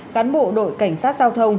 cán bộ đội cảnh sát giao thông